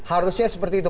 harusnya seperti itu